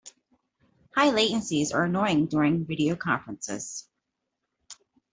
High latencies are annoying during video conferences.